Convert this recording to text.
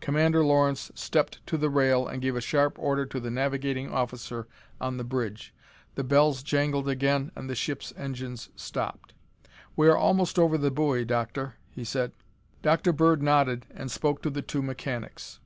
Commander Lawrence stepped to the rail and gave a sharp order to the navigating officer on the bridge. The bells jangled again and the ship's engines stopped. "We are almost over the buoy, Doctor," he said. Dr. Bird nodded and spoke to the two mechanics.